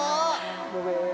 ごめん。